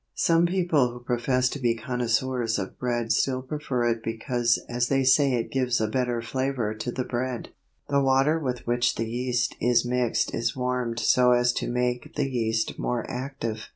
Some people who profess to be connoisseurs of bread still prefer it because as they say it gives a better flavour to the bread. The water with which the yeast is mixed is warmed so as to make the yeast more active.